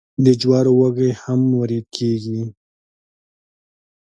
د جوارو وږي هم وریت کیږي.